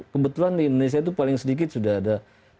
kebetulan di indonesia itu paling sedikit sudah ada